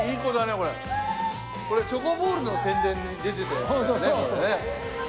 これチョコボールの宣伝に出てたやつだよねこれね。